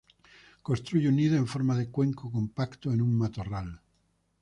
Construye un nido en forma de cuenco compacto en un matorral.